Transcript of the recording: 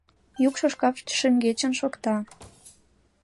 — Йӱкшӧ шкаф шеҥгечын шокта.